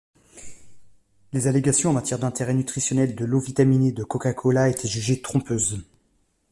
Les allégations en matière d'intérêt nutritionnel de l’eau vitaminée de Coca-Cola étaient jugées trompeuses.